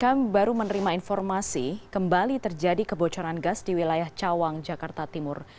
kami baru menerima informasi kembali terjadi kebocoran gas di wilayah cawang jakarta timur